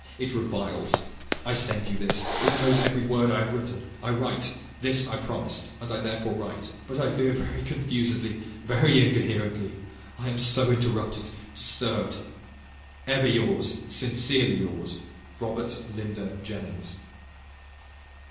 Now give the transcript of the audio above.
It reviles. I send you this. It knows every word I have written I write. This I promised, and I therefore write, but I fear very confused, very incoherently. I am so interrupted, disturbed. Ever yours, sincerely yours, Robert Lynder Jennings.